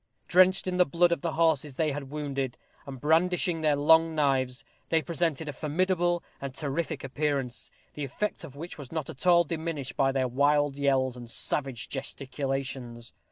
Drenched in the blood of the horses they had wounded, and brandishing their long knives, they presented a formidable and terrific appearance, the effect of which was not at all diminished by their wild yells and savage gesticulations.